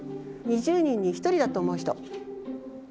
２０人に１人だと思う人？